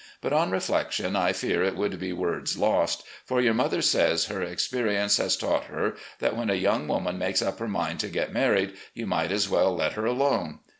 But, on reflection, I fear it would be words lost, for your mother says her ex perience has taught her that when a young woman makes up her mind to get married, you might as well let her alone.